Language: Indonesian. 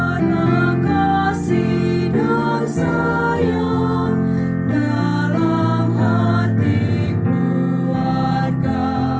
karena kasih dan sayang dalam hati keluarga